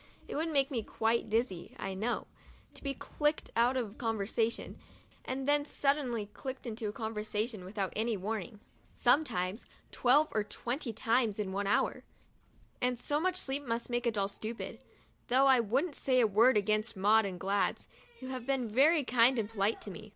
It would make me quite dizzy, I know, to be clicked out of a conversation, and 7 THE DIARY OF A BIRTHDAY DOLL then suddenly clicked into a conversation without any warning, sometimes twelve or twenty times in one hour, and so much sleep must make a doll stupid ; though I wouldn't say a word against Maud and Gladys, who have been very kind and polite to me.